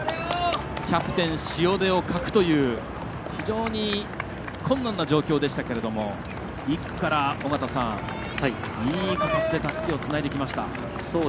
キャプテン塩出を欠くという非常に困難な状況でしたけれども１区から、いい形でたすきをつないできました。